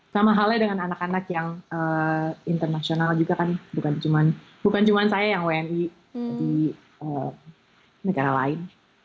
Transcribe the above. sama halnya dengan anak anak yang internasional juga kan bukan cuma saya yang wni di negara lain